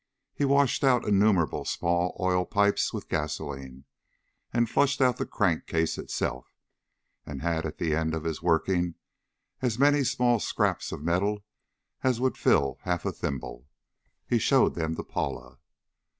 He washed out innumerable small oil pipes with gasoline, and flushed out the crankcase itself, and had at the end of his working as many small scraps of metal as would half fill a thimble. He showed then to Paula.